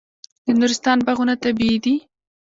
د نورستان باغونه طبیعي دي.